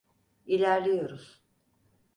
İlerliyoruz.